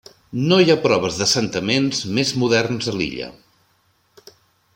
No hi ha proves d'assentaments més moderns a l'illa.